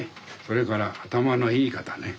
それから頭のいい方ね。